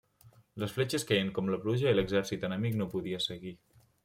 Les fletxes queien com la pluja i l'exèrcit enemic no podia seguir.